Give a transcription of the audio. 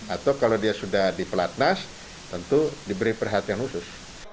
atau kalau dia sudah di pelatnas tentu diberi perhatian khusus